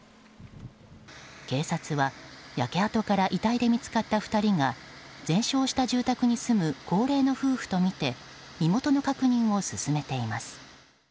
警察は、焼け跡から遺体で見つかった２人が全焼した住宅に住む高齢の夫婦とみて身元の確認を進めています。